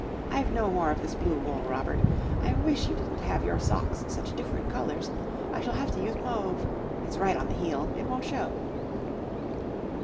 I've no more of this blue wool, Robert. I wish you didn't have your socks such different colours. I shall have to use mauve. It's right on the heel; it won't show."